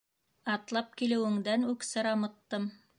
— Атлап килеүеңдән үк сырамыттым.